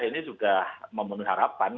ini sudah memenuhi harapan